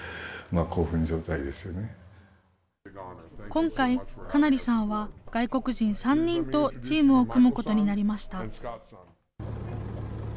今回、金成さんは外国人３人とチームを組むことになりました。